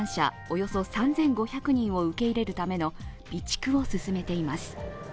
およそ３５００人を受け入れるための備蓄を進めています。